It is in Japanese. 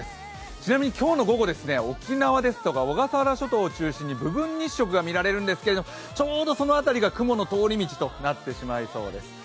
ちなみに今日の午後、沖縄ですとか小笠原諸島を中心に部分日食が見られるんですけれども、ちょうどその辺りが雲の通り道となってしまいそうです。